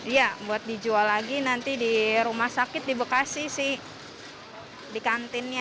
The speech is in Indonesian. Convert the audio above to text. iya buat dijual lagi nanti di rumah sakit di bekasi sih di kantinnya